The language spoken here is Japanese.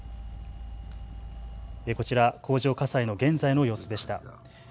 こちら工場火災の現在の様子でした。